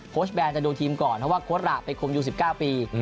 โพชแบนจะโดนทีมก่อนเพราะว่ากค้นหลักไปคมอยู่๑๙ปี